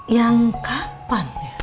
yang kapan ya